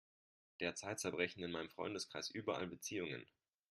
Derzeit zerbrechen in meinem Freundeskreis überall Beziehungen.